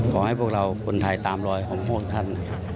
ขอให้พวกเราคนไทยตามรอยของพวกท่าน